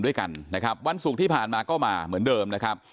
ด้วยกันนะครับวันศุกร์ที่ผ่านมาก็มาเหมือนเดิมนะครับ